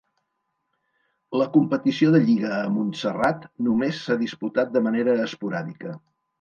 La competició de lliga a Montserrat només s'ha disputat de manera esporàdica.